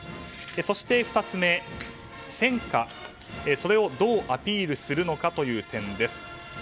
そして２つ目、戦果をどうアピールするのかという点です。